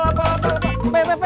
kelapa kelapa kelapa kelapa